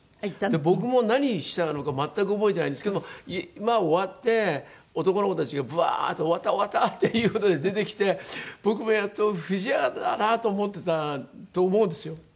僕も何したのか全く覚えてないんですけどもまあ終わって男の子たちがブワーって「終わった終わった！」っていう事で出てきて僕もやっと不二家だなと思ってたと思うんですよ。